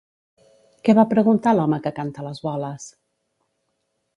Què va preguntar l'home que canta les boles?